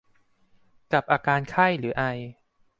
กับอาการไข้หรือไอ